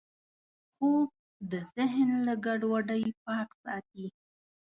خوب د ذهن له ګډوډۍ پاک ساتي